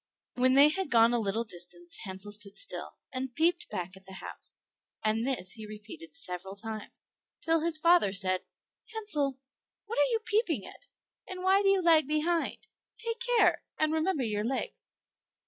When they had gone a little distance Hansel stood still, and peeped back at the house; and this he repeated several times, till his father said, "Hansel, what are you peeping at, and why do you lag behind? Take care, and remember your legs."